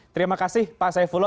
terima kasih pak esayah fula